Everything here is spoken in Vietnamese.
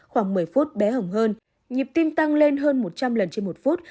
khoảng một mươi phút bé hồng hơn nhịp tim tăng lên hơn một trăm linh lần trên một phút